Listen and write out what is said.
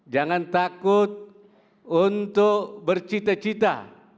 jangan takut untuk bercita cita